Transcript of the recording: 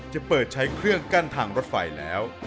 จะเปิดใช้เครื่องกั้นทางรถไฟแล้ว